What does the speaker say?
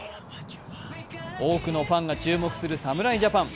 多くのファンが注目する侍ジャパン。